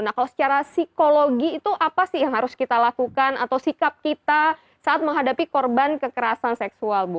nah kalau secara psikologi itu apa sih yang harus kita lakukan atau sikap kita saat menghadapi korban kekerasan seksual bu